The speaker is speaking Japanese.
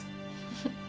フフッ。